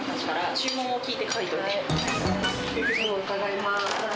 注文伺いまーす。